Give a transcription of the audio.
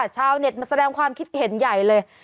ชาวเน็ตมาแสดงความคิดเห็นใหญ่เลย